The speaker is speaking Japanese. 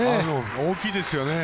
大きいですよね